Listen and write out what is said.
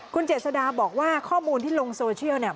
คุณเจษฎาบอกว่าข้อมูลที่ลงโซเชียลเนี่ย